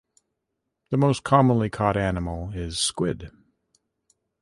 The most commonly caught animal is squid.